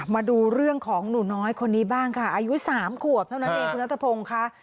มาดูเรื่องของหนูน้อยคนนี้บ้างค่ะอายุ๓ขวบน้องน้ำเทพงค่ะ